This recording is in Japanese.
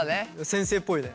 先生っぽいね。